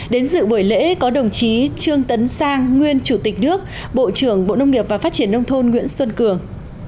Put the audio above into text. đến dự buổi lễ có đồng chí trương tấn sang nguyên chủ tịch nước bộ trưởng bộ nông nghiệp và phát triển nông thôn nguyễn xuân cường